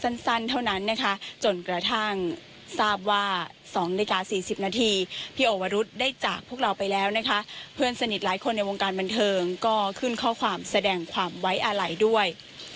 แล้วนะคะเพื่อนสนิทหลายคนในวงการบันเทิงก็ขึ้นข้อความแสดงความไว้อะไหล่ด้วย